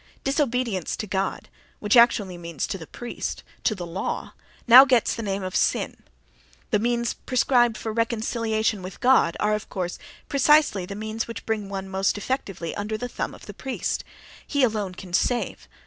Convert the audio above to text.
—Disobedience to God, which actually means to the priest, to "the law," now gets the name of "sin"; the means prescribed for "reconciliation with God" are, of course, precisely the means which bring one most effectively under the thumb of the priest; he alone can "save"....